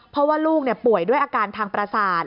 เพราะว่าลูกป่วยด้วยอาการทางประสาท